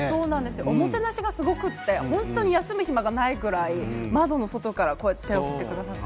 おもてなしがすごくて本当に休む暇がないくらい窓の外から手を振ってくれたり。